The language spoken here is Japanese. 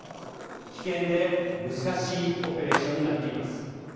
危険で難しいオペレーションになっています。